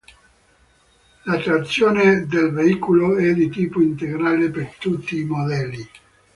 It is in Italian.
La trazione del veicolo è di tipo integrale per tutti i modelli.